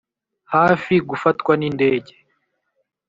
hafi gufatwa n' indege